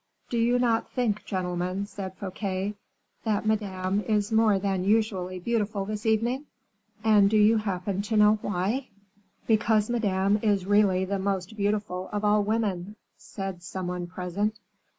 "Do you not think, gentlemen," said Fouquet, "that madame is more than usually beautiful this evening? And do you happen to know why?" "Because madame is really the most beautiful of all women," said some one present.